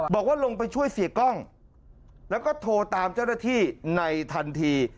บอกว่าลงไปช่วยเสียกล้องแล้วก็โทรตามเจ้าหน้าที่ในทันที